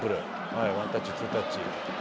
はいワンタッチツータッチ。